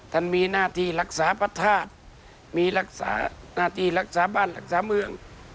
ท่านมีหน้าที่รักษาพระธาตุมีรักษาหน้าที่รักษาบ้านรักษาเมือง